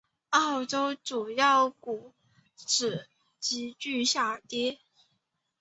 欧洲主要股指急剧下跌。